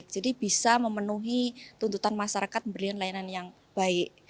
jadi bisa memenuhi tuntutan masyarakat memberikan layanan yang baik